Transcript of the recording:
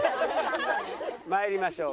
参りましょう。